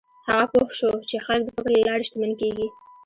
هغه پوه شو چې خلک د فکر له لارې شتمن کېږي.